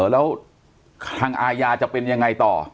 แล้วทางอาญาจะเป็นยังไงต่อ